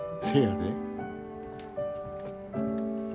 せやで。